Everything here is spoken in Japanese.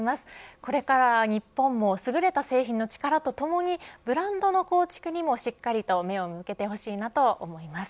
これから日本もすぐれた製品の力とともにブランドの構築にもしっかりと目を向けてほしいなと思います。